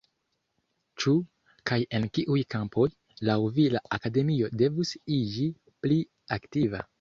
Ĉu, kaj en kiuj kampoj, laŭ vi la Akademio devus iĝi pli aktiva?